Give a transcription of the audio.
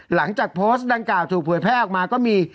หลังจากโพสต์ดังกล่าวถูกเผยแพร่ออกมาก็มี